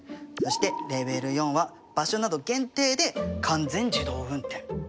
そしてレベル４は場所など限定で完全自動運転。